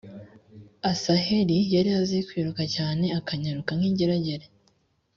asaheli yari azi kwiruka cyane akanyaruka nk’ ingeragere .